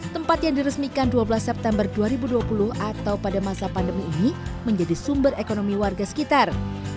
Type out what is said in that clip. tempat yang diresmikan dua belas september dua ribu dua puluh atau pada masa pandemi ini menjadi sumber ekonomi warga sekitar